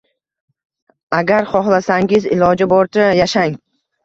Agar xohlasangiz, iloji boricha yashang.